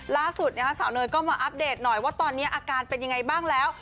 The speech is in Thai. ล่าสุดสาวเนยก็มาอัปเดตหน่อยว่าตอนนี้อาการเป็นยังไงบ้างแล้ว